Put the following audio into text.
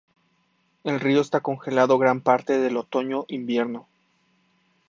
El río está congelado gran parte del otoño-invierno.